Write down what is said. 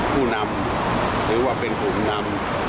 ผู้นำหรือว่าเป็นผู้นำ